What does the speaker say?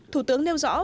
thủ tướng nêu rõ